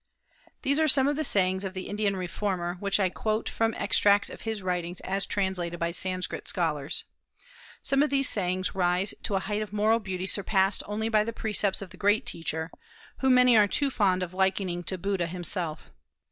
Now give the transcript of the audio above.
These are some of the sayings of the Indian reformer, which I quote from extracts of his writings as translated by Sanskrit scholars. Some of these sayings rise to a height of moral beauty surpassed only by the precepts of the great Teacher, whom many are too fond of likening to Buddha himself.